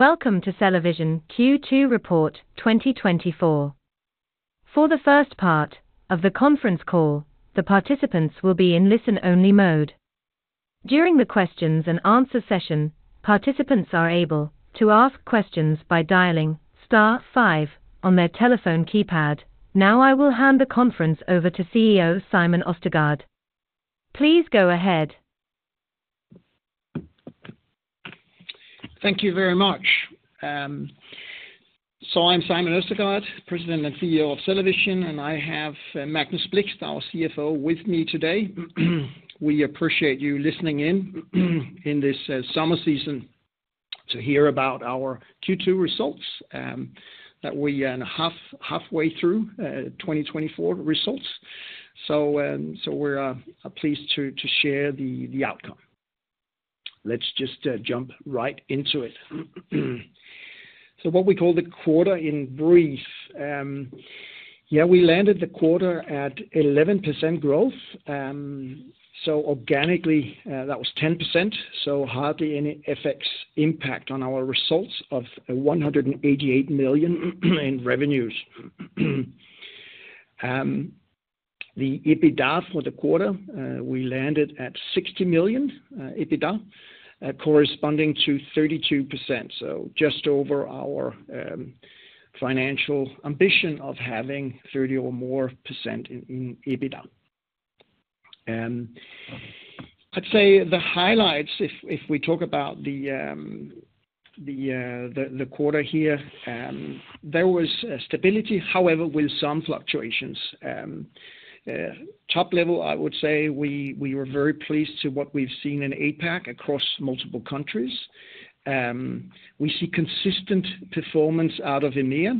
Welcome to CellaVision Q2 Report 2024. For the first part of the conference call, the participants will be in listen-only mode. During the questions and answer session, participants are able to ask questions by dialing star five on their telephone keypad. Now, I will hand the conference over to CEO Simon Østergaard. Please go ahead. Thank you very much. So I'm Simon Østergaard, President and CEO of CellaVision, and I have Magnus Blixt, our CFO, with me today. We appreciate you listening in this summer season to hear about our Q2 results that we are halfway through 2024 results. So we're pleased to share the outcome. Let's just jump right into it. So what we call the quarter in brief. Yeah, we landed the quarter at 11% growth. So organically, that was 10%, so hardly any FX impact on our results of 188 million in revenues. The EBITDA for the quarter, we landed at 60 million EBITDA, corresponding to 32%. So just over our financial ambition of having 30% or more in EBITDA. I'd say the highlights, if we talk about the quarter here, there was stability, however, with some fluctuations. Top level, I would say we were very pleased to what we've seen in APAC across multiple countries. We see consistent performance out of EMEA,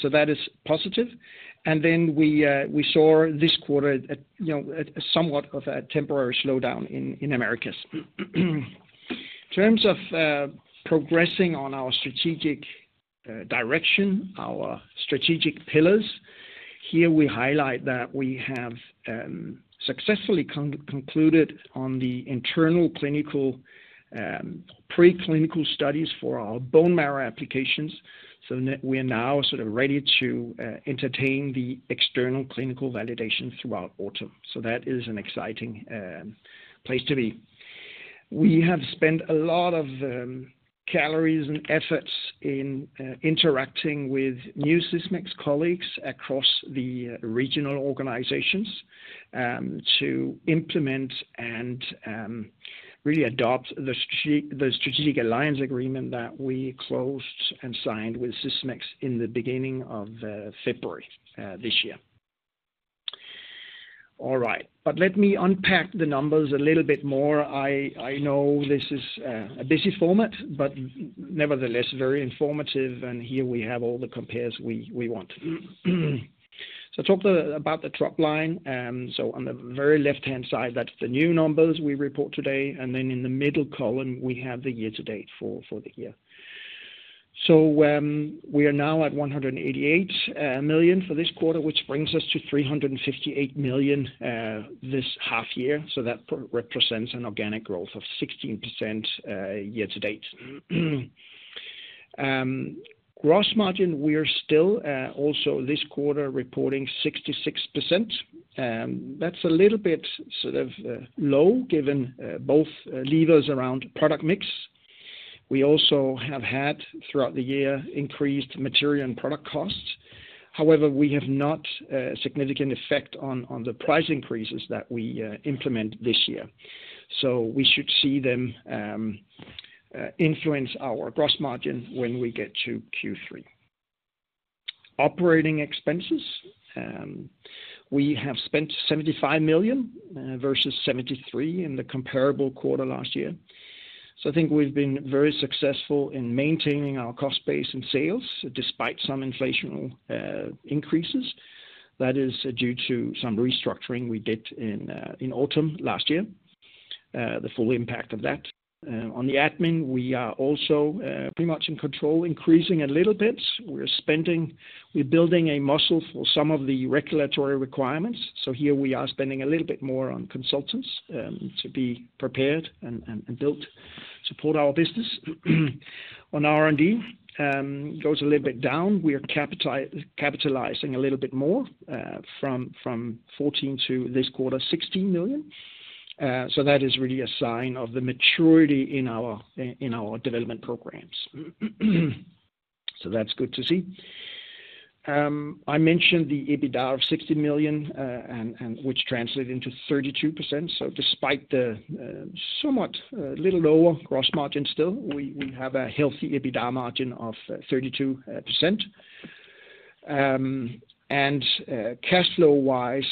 so that is positive. And then we saw this quarter at, you know, at somewhat of a temporary slowdown in Americas. In terms of progressing on our strategic direction, our strategic pillars. Here we highlight that we have successfully concluded on the internal clinical preclinical studies for our bone marrow applications, so we are now sort of ready to entertain the external clinical validation throughout autumn. So that is an exciting place to be. We have spent a lot of calories and efforts in interacting with new Sysmex colleagues across the regional organizations to implement and really adopt the strategic alliance agreement that we closed and signed with Sysmex in the beginning of February this year. All right, but let me unpack the numbers a little bit more. I know this is a busy format, but nevertheless, very informative, and here we have all the compares we want. So talk about the top line. So on the very left-hand side, that's the new numbers we report today, and then in the middle column, we have the year to date for the year. So we are now at 188 million for this quarter, which brings us to 358 million this half year. So that represents an organic growth of 16%, year to date. Gross margin, we're still also this quarter reporting 66%. That's a little bit sort of low, given both levers around product mix. We also have had, throughout the year, increased material and product costs. However, we have not significant effect on the price increases that we implement this year. So we should see them influence our gross margin when we get to Q3. Operating expenses. We have spent 75 million versus 73 million in the comparable quarter last year. So I think we've been very successful in maintaining our cost base and sales, despite some inflation increases. That is due to some restructuring we did in autumn last year, the full impact of that. On the admin, we are also pretty much in control, increasing a little bit. We're spending—we're building a muscle for some of the regulatory requirements. So here we are spending a little bit more on consultants to be prepared and built to support our business. On R&D, goes a little bit down. We are capitalizing a little bit more from 14 to, this quarter, 16 million. So that is really a sign of the maturity in our development programs. So that's good to see. I mentioned the EBITDA of 60 million, and which translated into 32%. So despite the somewhat little lower gross margin, still, we have a healthy EBITDA margin of 32%. And cash flow wise,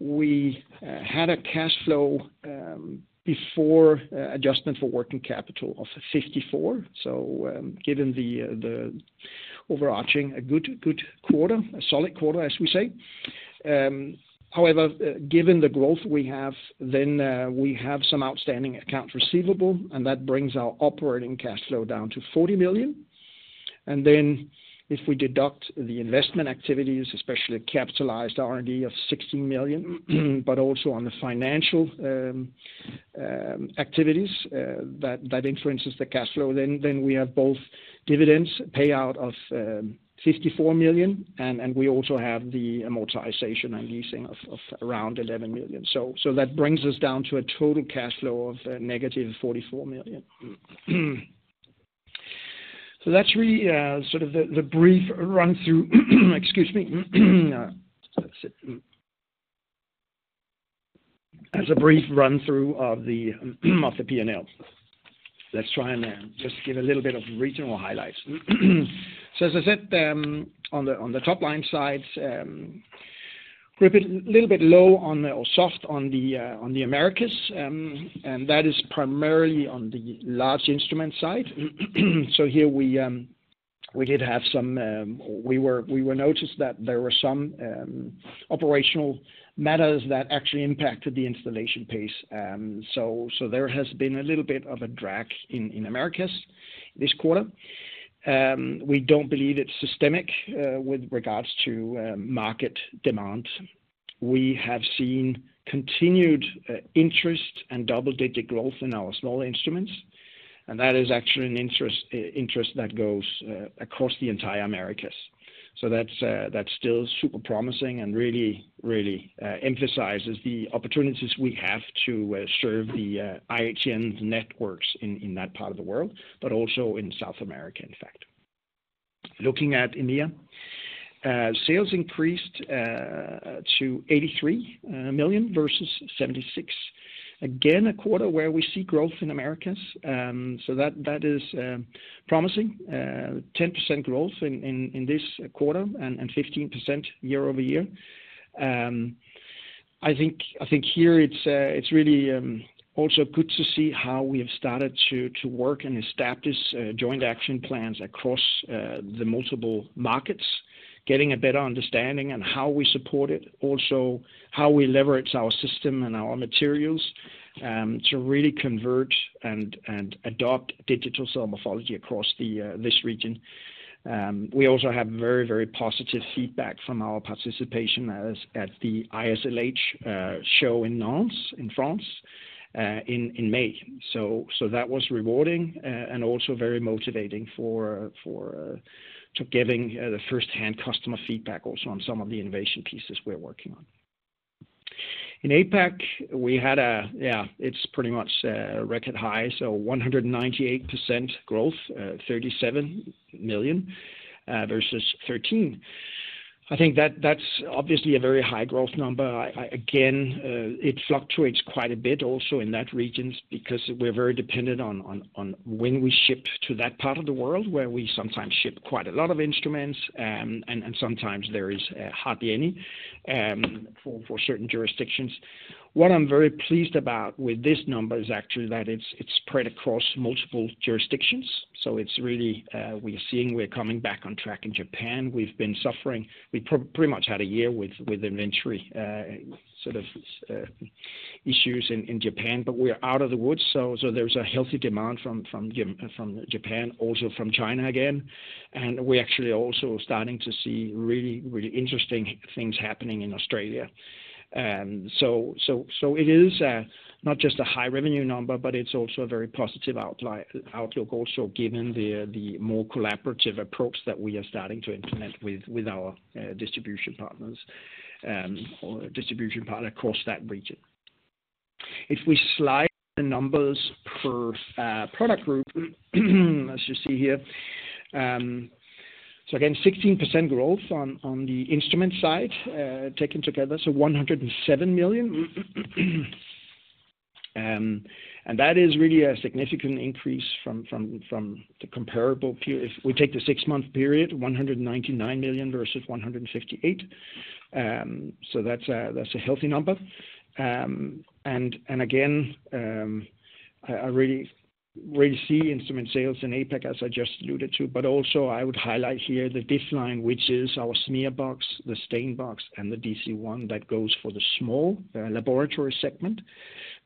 we had a cash flow before adjustment for working capital of 54 million. So, given the overarching good, good quarter, a solid quarter, as we say. However, given the growth we have, then we have some outstanding accounts receivable, and that brings our operating cash flow down to 40 million. And then if we deduct the investment activities, especially capitalized R&D of 16 million, but also on the financial activities, that influences the cash flow, then we have both dividends payout of 54 million, and we also have the amortization and leasing of around 11 million. So that brings us down to a total cash flow of -44 million. So that's really sort of the brief run through, excuse me. As a brief run through of the P&L. Let's try and just give a little bit of regional highlights. So as I said, on the top line side, we're a bit little bit low or soft on the Americas, and that is primarily on the large instrument side. So here we did have some operational matters that actually impacted the installation pace. So there has been a little bit of a drag in Americas this quarter. We don't believe it's systemic with regards to market demand. We have seen continued interest and double-digit growth in our small instruments, and that is actually an interest that goes across the entire Americas. So that's still super promising and really, really emphasizes the opportunities we have to serve the IHN networks in that part of the world, but also in South America, in fact. Looking at EMEA, sales increased to 83 million versus 76 million. Again, a quarter where we see growth in Americas. So that is promising, 10% growth in this quarter and 15% year-over-year. I think here it's really also good to see how we have started to work and establish joint action plans across the multiple markets, getting a better understanding on how we support it, also how we leverage our system and our materials to really convert and adopt digital cell morphology across this region. We also have very, very positive feedback from our participation at the ISLH show in Nantes, in France, in May. So that was rewarding, and also very motivating for to giving the first-hand customer feedback also on some of the innovation pieces we're working on. In APAC, we had a... Yeah, it's pretty much record high, so 198% growth, 37 million versus 13. I think that's obviously a very high growth number. I again it fluctuates quite a bit also in that region because we're very dependent on on when we ship to that part of the world, where we sometimes ship quite a lot of instruments, and sometimes there is hardly any for certain jurisdictions. What I'm very pleased about with this number is actually that it's spread across multiple jurisdictions, so it's really we're seeing we're coming back on track in Japan. We've been suffering. We pretty much had a year with inventory sort of issues in Japan, but we're out of the woods, so there's a healthy demand from Japan, also from China again. And we're actually also starting to see really really interesting things happening in Australia. So it is not just a high revenue number, but it's also a very positive outlook also, given the more collaborative approach that we are starting to implement with our distribution partners or distribution partner across that region. If we slide the numbers per product group, as you see here, so again, 16% growth on the instrument side, taken together, so 107 million. And that is really a significant increase from the comparable. If we take the six-month period, 199 million versus 158 million. So that's a healthy number. And again, I really see instrument sales in APAC, as I just alluded to, but also I would highlight here the DIFF-Line, which is our SmearBox, the StainBox, and the DC-1 that goes for the small laboratory segment.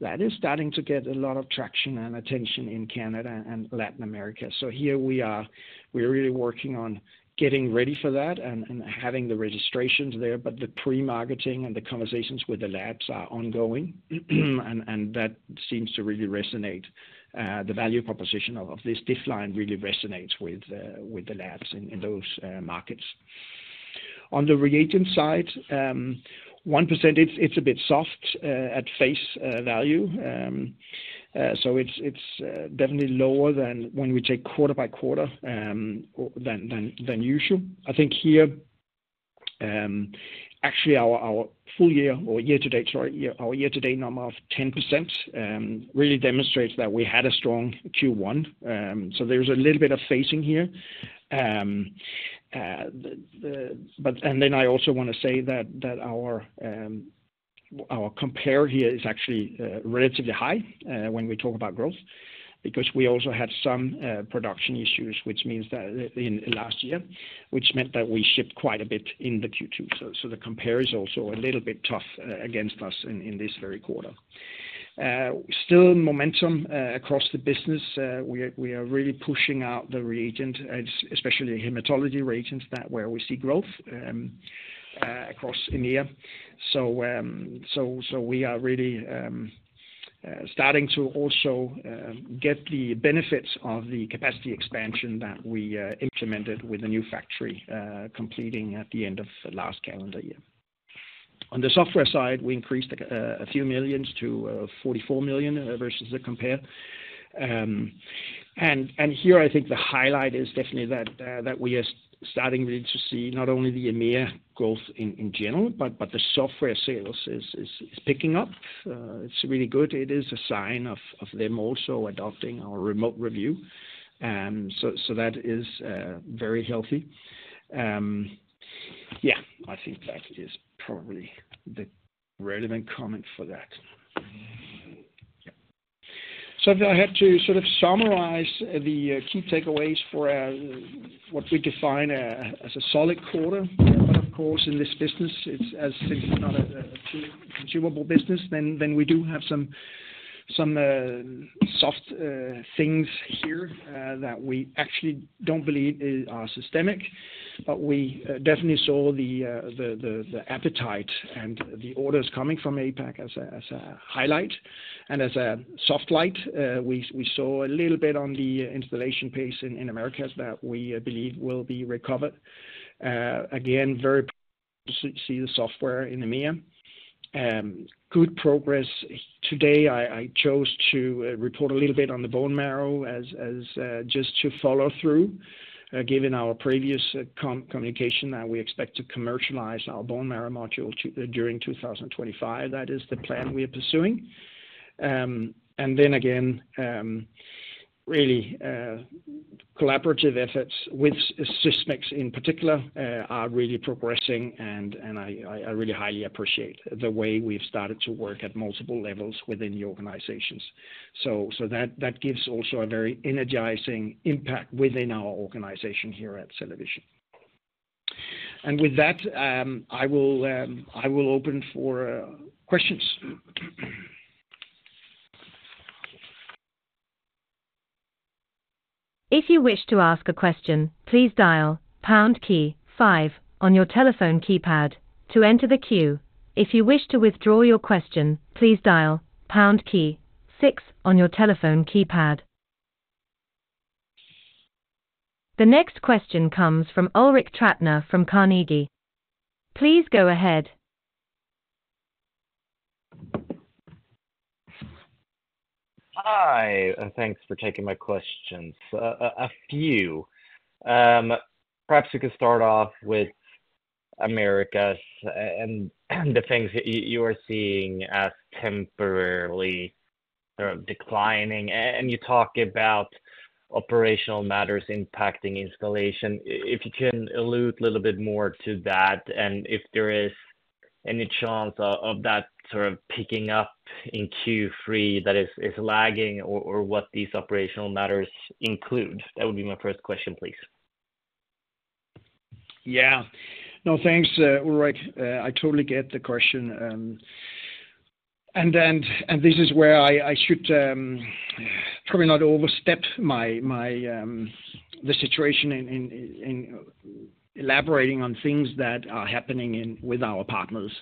That is starting to get a lot of traction and attention in Canada and Latin America. So here we are, we're really working on getting ready for that and having the registrations there, but the pre-marketing and the conversations with the labs are ongoing. And that seems to really resonate, the value proposition of this DIFF-Line really resonates with the labs in those markets. On the reagent side, 1%, it's a bit soft at face value. So it's definitely lower than when we take quarter by quarter, than usual. I think here, actually our full year or year to date, sorry, year to date number of 10% really demonstrates that we had a strong Q1. So there's a little bit of phasing here. The... I also want to say that our compare here is actually relatively high when we talk about growth, because we also had some production issues, which means that in last year, which meant that we shipped quite a bit in the Q2. So the compare is also a little bit tough against us in this very quarter. Still momentum across the business. We are really pushing out the reagents, especially hematology reagents, where we see growth across EMEA. So we are really starting to also get the benefits of the capacity expansion that we implemented with the new factory completing at the end of last calendar year. On the software side, we increased a few million to 44 million versus the comparable. And here I think the highlight is definitely that we are starting really to see not only the EMEA growth in general, but the software sales is picking up. It's really good. It is a sign of them also adopting our remote review. So that is very healthy. Yeah, I think that is probably the relevant comment for that. Yeah. So if I had to sort of summarize the key takeaways for what we define as a solid quarter. But of course, in this business, it's simply not a consumable business, then we do have some soft things here that we actually don't believe are systemic. But we definitely saw the appetite and the orders coming from APAC as a highlight. And as a soft spot, we saw a little bit on the installation pace in Americas that we believe will be recovered. Again, very good to see the software in EMEA. Good progress. Today, I chose to report a little bit on the bone marrow just to follow through given our previous communication, that we expect to commercialize our bone marrow module during 2025. That is the plan we are pursuing. And then again, really collaborative efforts with Sysmex in particular are really progressing, and I really highly appreciate the way we've started to work at multiple levels within the organizations. So that gives also a very energizing impact within our organization here at CellaVision. And with that, I will open for questions. If you wish to ask a question, please dial pound key five on your telephone keypad to enter the queue. If you wish to withdraw your question, please dial pound key six on your telephone keypad. The next question comes from Ulrik Trattner from Carnegie. Please go ahead. Hi, and thanks for taking my questions. A few. Perhaps you could start off with Americas and the things that you are seeing as temporarily sort of declining, and you talk about operational matters impacting installation. If you can allude a little bit more to that, and if there is any chance of that sort of picking up in Q3 that is lagging, or what these operational matters include? That would be my first question, please. Yeah. No, thanks, Ulrik. I totally get the question, and then—and this is where I should probably not overstep my the situation in elaborating on things that are happening in... with our partners.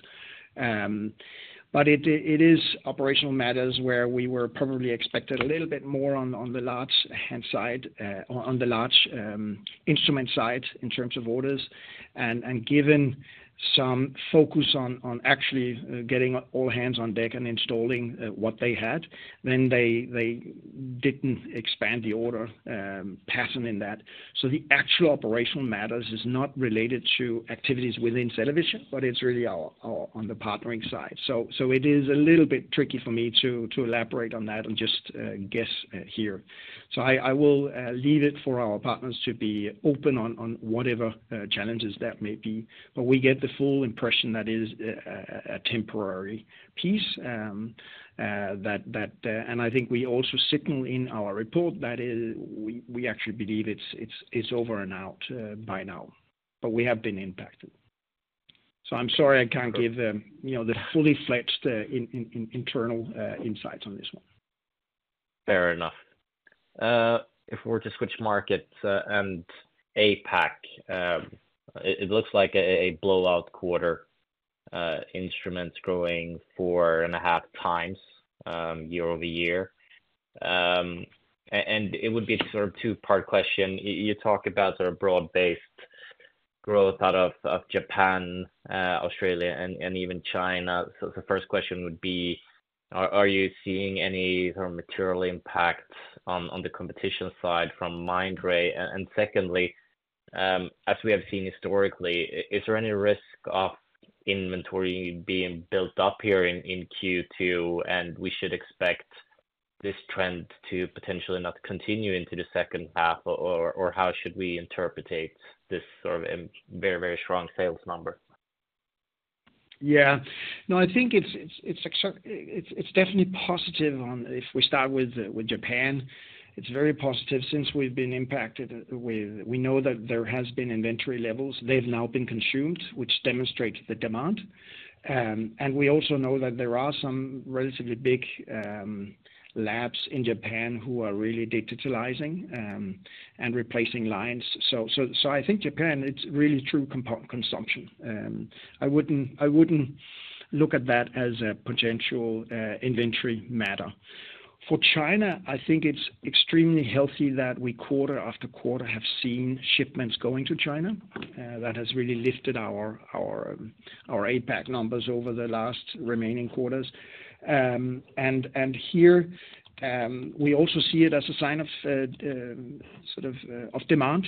But it is operational matters where we were probably expected a little bit more on the large hand side on the large instrument side, in terms of orders. And given some focus on actually getting all hands on deck and installing what they had, then they didn't expand the order pattern in that. So the actual operational matters is not related to activities within CellaVision, but it's really our on the partnering side. So it is a little bit tricky for me to elaborate on that and just guess here. So I will leave it for our partners to be open on whatever challenges that may be, but we get the full impression that is a temporary piece. That and I think we also signal in our report that we actually believe it's over and out by now, but we have been impacted. So I'm sorry, I can't give, you know, the fully fledged internal insights on this one. Fair enough. If we're to switch markets, and APAC, it looks like a blowout quarter, instruments growing 4.5 times year-over-year. And it would be sort of two-part question. You talk about sort of broad-based growth out of Japan, Australia, and even China. So the first question would be: Are you seeing any sort of material impacts on the competition side from Mindray? And secondly, as we have seen historically, is there any risk of inventory being built up here in Q2, and we should expect this trend to potentially not continue into the second half? Or how should we interpret this sort of very, very strong sales number? ...Yeah. No, I think it's definitely positive on, if we start with Japan, it's very positive since we've been impacted with—we know that there has been inventory levels. They've now been consumed, which demonstrates the demand. And we also know that there are some relatively big labs in Japan who are really digitalizing and replacing lines. So I think Japan, it's really true consumption. I wouldn't look at that as a potential inventory matter. For China, I think it's extremely healthy that we, quarter after quarter, have seen shipments going to China. That has really lifted our APAC numbers over the last remaining quarters. And here we also see it as a sign of sort of of demand.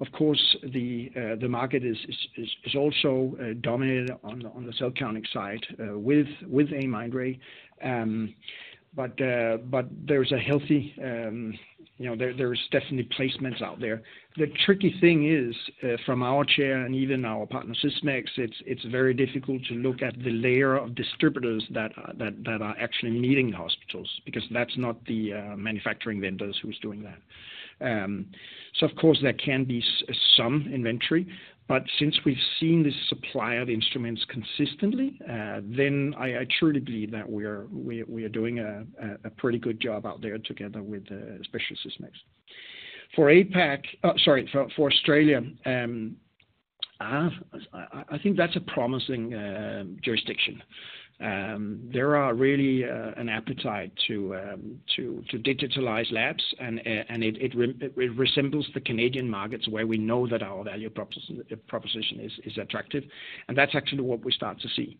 Of course, the market is also dominated on the cell counting side with Mindray. But there's a healthy, you know, there is definitely placements out there. The tricky thing is, from our side and even our partner, Sysmex, it's very difficult to look at the layer of distributors that are actually meeting the hospitals, because that's not the manufacturing vendors who's doing that. So of course there can be some inventory, but since we've seen this supply of instruments consistently, then I truly believe that we are doing a pretty good job out there together with especially Sysmex. For APAC, sorry, for Australia, I think that's a promising jurisdiction. There are really an appetite to digitalize labs and it resembles the Canadian markets, where we know that our value proposition is attractive. And that's actually what we start to see.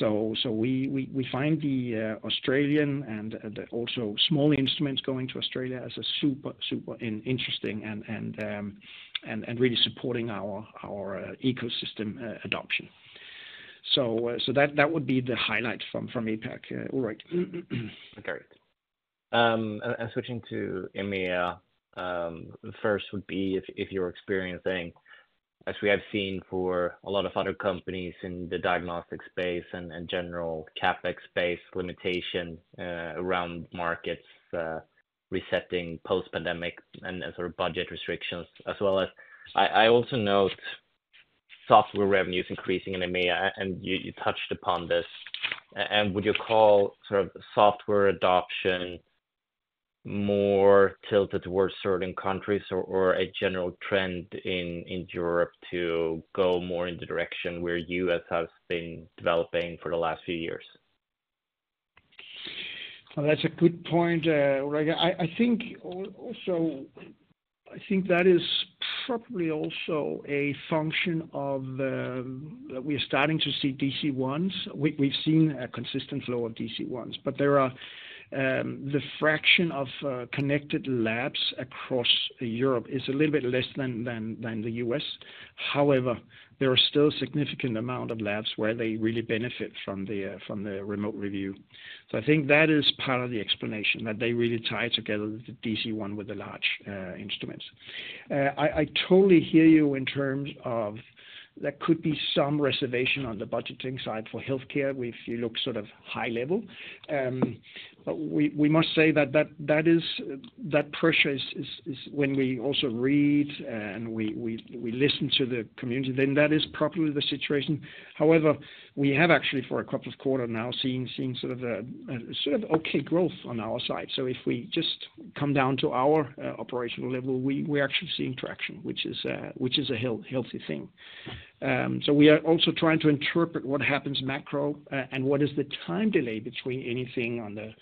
We find the Australian and the also small instruments going to Australia as a super interesting and really supporting our ecosystem adoption. That would be the highlights from APAC, Ulrik. Okay. And switching to EMEA, the first would be if you're experiencing, as we have seen for a lot of other companies in the diagnostic space and general CapEx space, limitation around markets resetting post-pandemic and sort of budget restrictions, as well as... I also note software revenues increasing in EMEA, and you touched upon this. And would you call sort of software adoption more tilted towards certain countries or a general trend in Europe to go more in the direction where U.S. has been developing for the last few years? Well, that's a good point, Ulrik. I think also, I think that is probably also a function of, we are starting to see DC-1s. We've seen a consistent flow of DC-1s, but the fraction of connected labs across Europe is a little bit less than the U.S. However, there are still a significant amount of labs where they really benefit from the remote review. So I think that is part of the explanation, that they really tie together the DC-1 with the large instruments. I totally hear you in terms of there could be some reservation on the budgeting side for healthcare if you look sort of high level. But we must say that that pressure is when we also read and we listen to the community, then that is probably the situation. However, we have actually, for a couple of quarter now, seen sort of a sort of okay growth on our side. So if we just come down to our operational level, we're actually seeing traction, which is a healthy thing. So we are also trying to interpret what happens macro, and what is the time delay between anything on the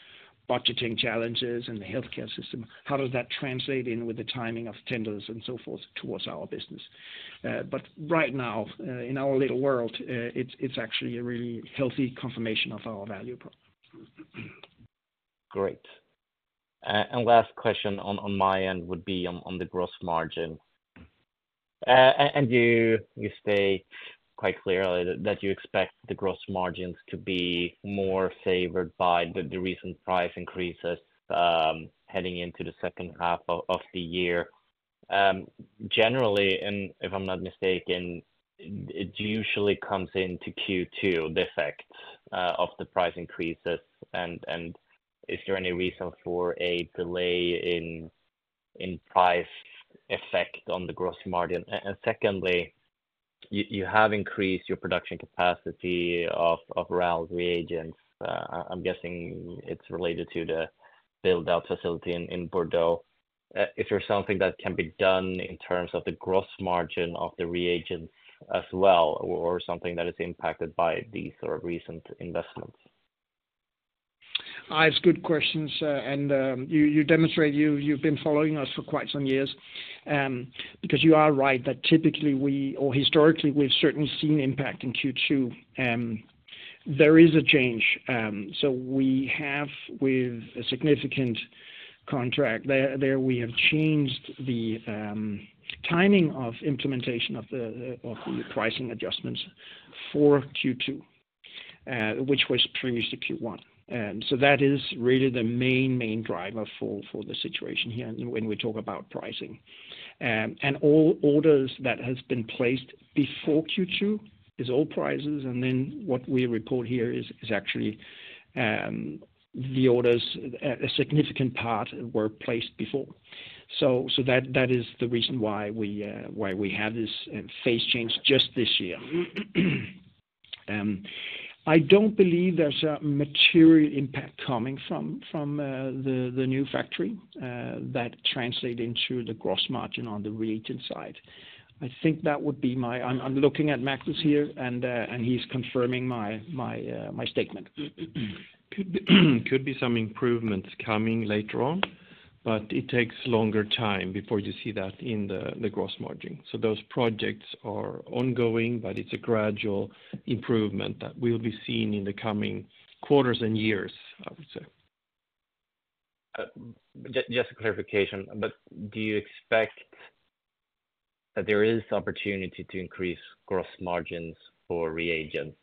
budgeting challenges and the healthcare system. How does that translate in with the timing of tenders and so forth, towards our business? But right now, in our little world, it's actually a really healthy confirmation of our value prop. Great. And last question on my end would be on the gross margin. And you say quite clearly that you expect the gross margins to be more favored by the recent price increases, heading into the second half of the year. Generally, and if I'm not mistaken, it usually comes into Q2, the effect of the price increases. And is there any reason for a delay in price effect on the gross margin? And secondly, you have increased your production capacity of RAL reagents. I'm guessing it's related to the build-out facility in Bordeaux. Is there something that can be done in terms of the gross margin of the reagents as well, or something that is impacted by these sort of recent investments? It's good questions, and you demonstrate you've been following us for quite some years. Because you are right that typically we, or historically, we've certainly seen impact in Q2. There is a change. So we have, with a significant contract there, we have changed the timing of implementation of the pricing adjustments for Q2, which was previously Q1. And so that is really the main driver for the situation here, and when we talk about pricing. And all orders that has been placed before Q2 is old prices, and then what we report here is actually the orders, a significant part were placed before. So that is the reason why we have this phase change just this year. I don't believe there's a material impact coming from the new factory that translate into the gross margin on the reagent side. I think that would be my... I'm looking at Magnus here, and he's confirming my statement. Could be some improvements coming later on, but it takes longer time before you see that in the gross margin. So those projects are ongoing, but it's a gradual improvement that will be seen in the coming quarters and years, I would say. Just a clarification, but do you expect that there is opportunity to increase gross margins for reagents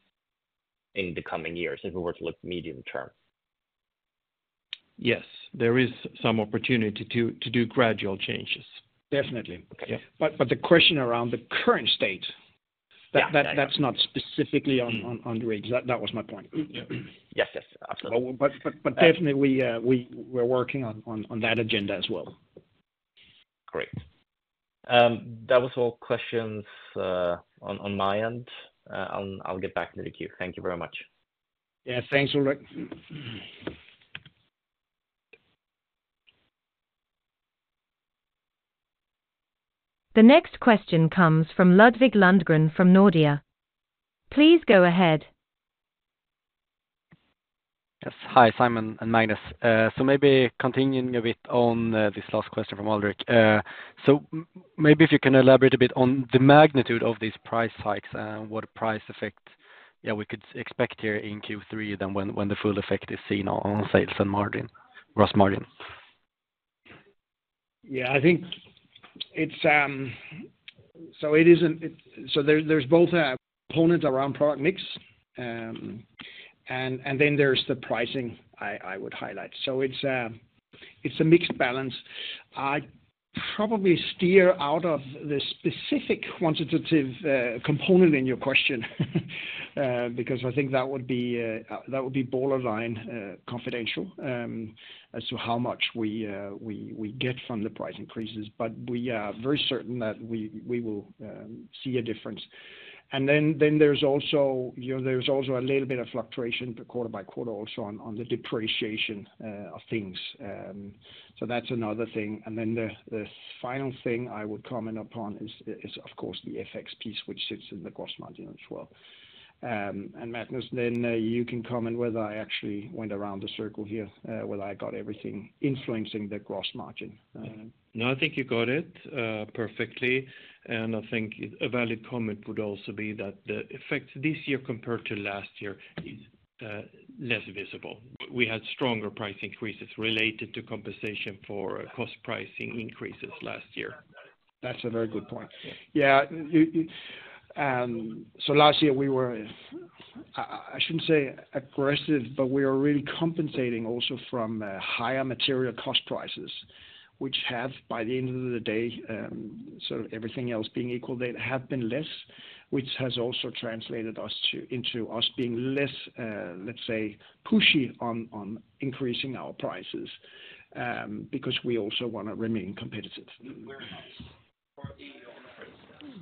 in the coming years, if we were to look medium term? Yes, there is some opportunity to do gradual changes. Definitely. Okay. the question around the current state- Yeah. That, that's not specifically on the reagents. That was my point. Yes, yes, absolutely. But definitely we're working on that agenda as well. Great. That was all questions on my end. I'll get back to the queue. Thank you very much. Yeah. Thanks, Ulrik. The next question comes from Ludvig Lundgren, from Nordea. Please go ahead. Yes. Hi, Simon and Magnus. So maybe continuing a bit on this last question from Ulrik. So maybe if you can elaborate a bit on the magnitude of these price hikes, and what price effect, yeah, we could expect here in Q3, than when, when the full effect is seen on sales and margin, gross margin? Yeah, I think it's. So it isn't, so there, there's both a component around product mix, and, and then there's the pricing, I would highlight. So it's a mixed balance. I'd probably steer out of the specific quantitative component in your question, because I think that would be, that would be borderline confidential, as to how much we, we get from the price increases. But we are very certain that we will see a difference. And then, then there's also, you know, there's also a little bit of fluctuation quarter by quarter, also on, on the depreciation of things. So that's another thing. And then the, the final thing I would comment upon is, of course, the FX piece, which sits in the gross margin as well. And Magnus, then you can comment whether I actually went around the circle here, whether I got everything influencing the gross margin. No, I think you got it perfectly. And I think a valid comment would also be that the FX this year compared to last year is less visible. We had stronger price increases related to compensation for cost pricing increases last year. That's a very good point. Yeah. Yeah, so last year we were. I shouldn't say aggressive, but we were really compensating also from higher material cost prices, which have, by the end of the day, sort of everything else being equal, been less, which has also translated into us being less, let's say, pushy on increasing our prices, because we also wanna remain competitive.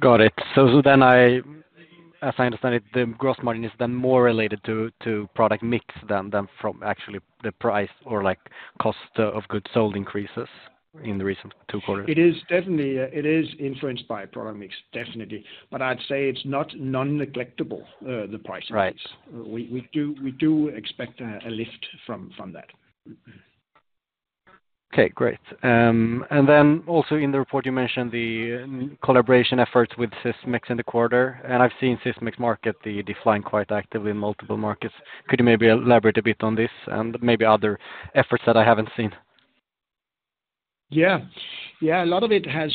Got it. So then I, as I understand it, the gross margin is then more related to product mix than from actually the price or, like, cost of goods sold increases in the recent two quarters? It is definitely, it is influenced by product mix, definitely. But I'd say it's not non-neglectable, the price increase. Right. We do expect a lift from that. Okay, great. And then also in the report, you mentioned the collaboration efforts with Sysmex in the quarter, and I've seen Sysmex market the, the DIFF-Line quite actively in multiple markets. Could you maybe elaborate a bit on this, and maybe other efforts that I haven't seen? Yeah. Yeah, a lot of it has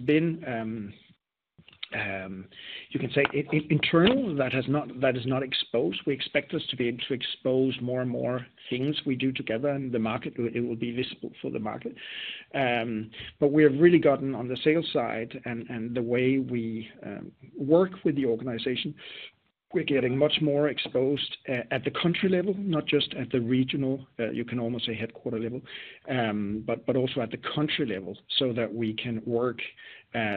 been, you can say internal, that has not, that is not exposed. We expect us to be able to expose more and more things we do together in the market. It will be visible for the market. But we have really gotten on the sales side, and the way we work with the organization, we're getting much more exposed at the country level, not just at the regional, you can almost say headquarters level, but also at the country level, so that we can work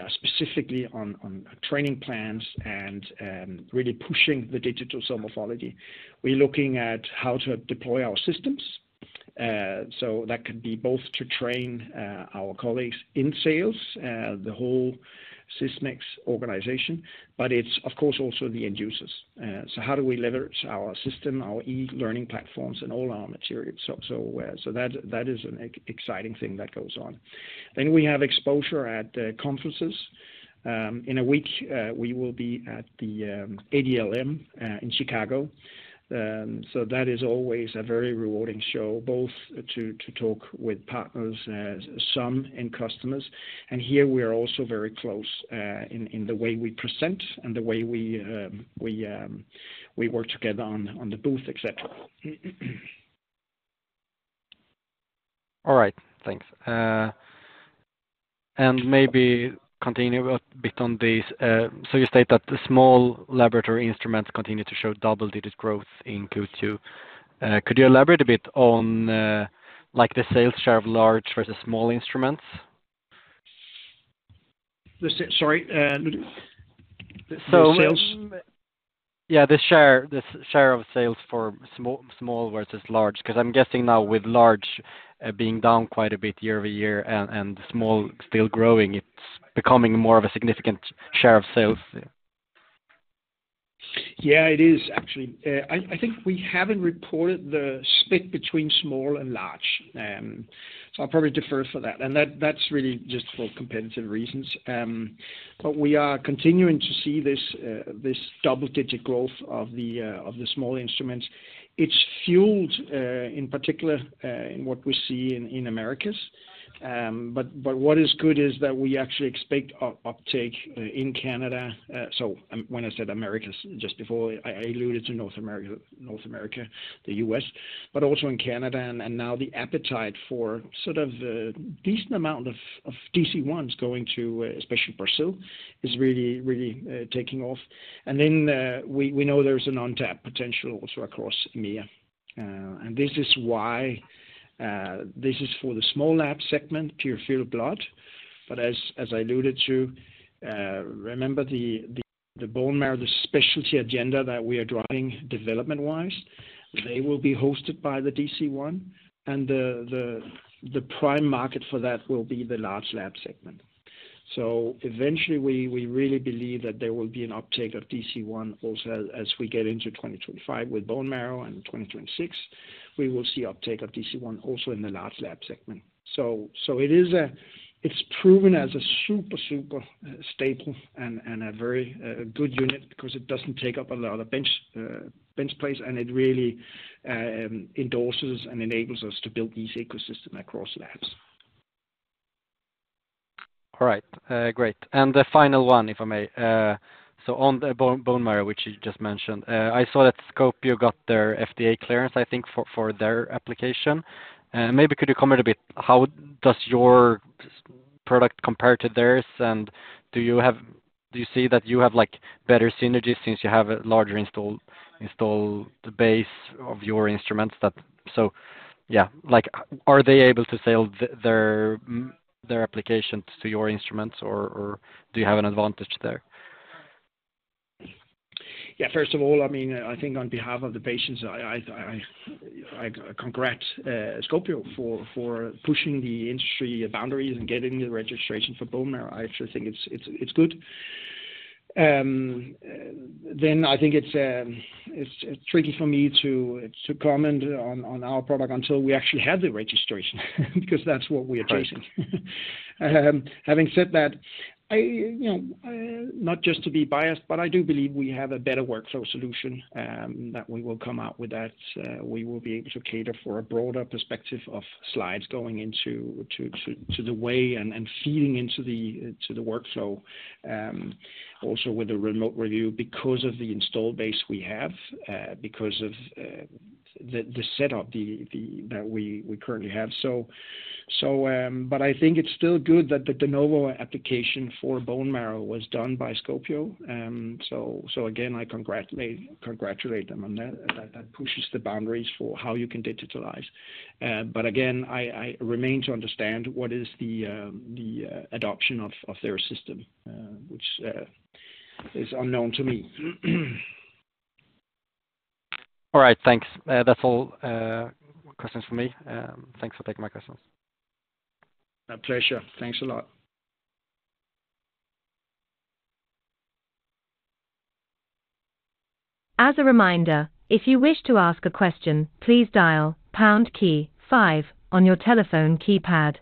specifically on training plans and really pushing the digital morphology. We're looking at how to deploy our systems, so that could be both to train our colleagues in sales, the whole Sysmex organization, but it's of course also the end users. So how do we leverage our system, our e-learning platforms, and all our material? That is an exciting thing that goes on. Then we have exposure at conferences. In a week, we will be at the ADLM in Chicago. So that is always a very rewarding show, both to talk with partners, as some, and customers. And here we are also very close, in the way we present and the way we work together on the booth, et cetera. All right. Thanks. And maybe continue a bit on this. So you state that the small laboratory instruments continue to show double-digit growth in Q2. Could you elaborate a bit on, like, the sales share of large versus small instruments? Sorry, the sales? Yeah, the share of sales for small versus large, 'cause I'm guessing now with large being down quite a bit year over year and small still growing, it's becoming more of a significant share of sales. Yeah, it is actually. I think we haven't reported the split between small and large. So I'll probably defer for that. And that, that's really just for competitive reasons. But we are continuing to see this double-digit growth of the small instruments. It's fueled in particular in what we see in Americas. But what is good is that we actually expect uptake in Canada. So when I said Americas just before, I alluded to North America, the U.S., but also in Canada. And now the appetite for sort of a decent amount of DC-1s going to especially Brazil is really taking off. And then we know there's an untapped potential also across EMEA. And this is why, this is for the small lab segment peripheral blood. But as I alluded to, remember the bone marrow, the specialty agenda that we are driving development-wise, they will be hosted by the DC-1, and the prime market for that will be the large lab segment. So eventually, we really believe that there will be an uptake of DC-1 also as we get into 2025 with bone marrow, and in 2026 we will see uptake of DC-1 also in the large lab segment. So it is a- it's proven as a super, super staple and a very good unit because it doesn't take up a lot of bench space, and it really endorses and enables us to build this ecosystem across labs. All right. Great. And the final one, if I may. So on the bone, bone marrow, which you just mentioned, I saw that Scopio got their FDA clearance, I think, for their application. Maybe could you comment a bit, how does your product compare to theirs, and do you have, do you see that you have, like, better synergies since you have a larger installed base of your instruments that... So, yeah, like, are they able to sell their applications to your instruments, or do you have an advantage there? Yeah, first of all, I mean, I think on behalf of the patients, I congrats Scopio for pushing the industry boundaries and getting the registration for bone marrow. I actually think it's good. Then I think it's tricky for me to comment on our product until we actually have the registration, because that's what we are chasing. Right. Having said that, you know, not just to be biased, but I do believe we have a better workflow solution that we will come out with that we will be able to cater for a broader perspective of slides going into the way and feeding into the workflow, also with the remote review, because of the install base we have, because of the setup that we currently have. So, but I think it's still good that the de novo application for bone marrow was done by Scopio. So, again, I congratulate them on that, that pushes the boundaries for how you can digitalize. But again, I remain to understand what is the adoption of their system, which is unknown to me. All right. Thanks. That's all questions for me. Thanks for taking my questions. A pleasure. Thanks a lot. As a reminder, if you wish to ask a question, please dial pound key five on your telephone keypad.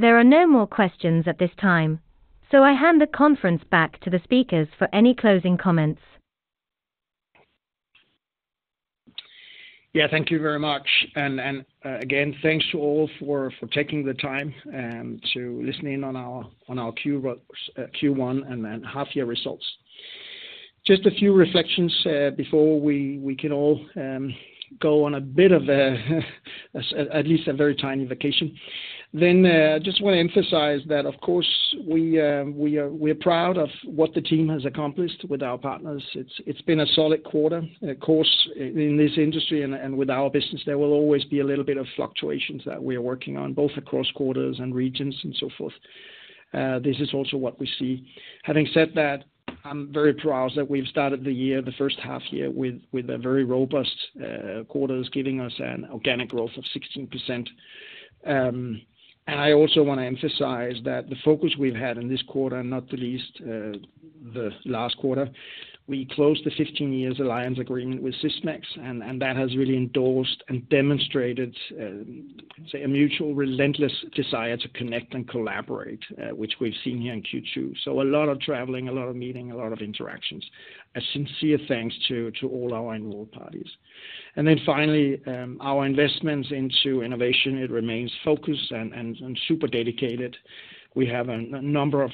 There are no more questions at this time, so I hand the conference back to the speakers for any closing comments. Yeah, thank you very much. And again, thanks to all for taking the time to listen in on our Q1 and then half-year results. Just a few reflections before we can all go on a bit of, at least a very tiny vacation. Then, just want to emphasize that, of course, we're proud of what the team has accomplished with our partners. It's been a solid quarter. Of course, in this industry and with our business, there will always be a little bit of fluctuations that we are working on, both across quarters and regions and so forth. This is also what we see. Having said that, I'm very proud that we've started the year, the first half year, with a very robust quarters, giving us an organic growth of 16%. And I also want to emphasize that the focus we've had in this quarter, and not the least, the last quarter, we closed the 15 years alliance agreement with Sysmex, and that has really endorsed and demonstrated, say, a mutual relentless desire to connect and collaborate, which we've seen here in Q2. So a lot of traveling, a lot of meeting, a lot of interactions. A sincere thanks to all our involved parties. And then finally, our investments into innovation, it remains focused and super dedicated. We have a number of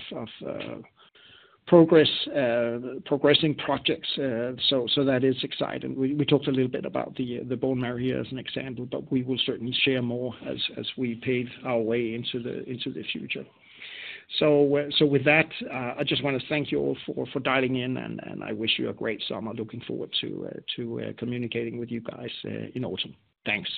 progressing projects. So that is exciting. We talked a little bit about the bone marrow here as an example, but we will certainly share more as we pave our way into the future. So with that, I just want to thank you all for dialing in, and I wish you a great summer. Looking forward to communicating with you guys in autumn. Thanks.